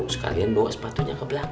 sekalian bawa sepatunya ke belakang